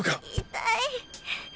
痛い。